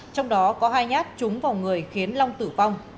trong đó có hai nhát trúng vào người khiến long tử vong